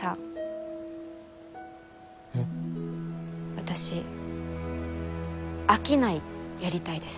私商いやりたいです。